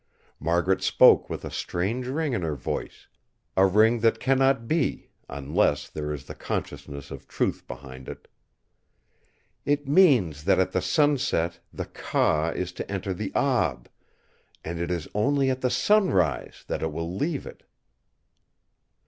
Margaret spoke with a strange ring in her voice; a ring that cannot be, unless there is the consciousness of truth behind it: "It means that at the sunset the 'Ka' is to enter the 'Ab'; and it is only at the sunrise that it will leave it!"